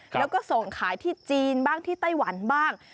แล้วก็ส่งขายที่จีนบ้างที่ไต้หวันบ้าง